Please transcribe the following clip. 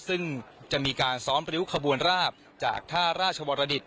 ซึ่งจะมีการซ้อมริ้วขบวนราบจากท่าราชวรดิต